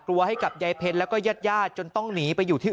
กลัวให้กับใยเพลงและก็ยัดยาจจนต้องหนีไปอยู่ที่